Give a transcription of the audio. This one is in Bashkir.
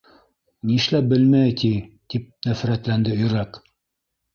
—Нишләп белмәй ти! —тип нәфрәтләнде Өйрәк.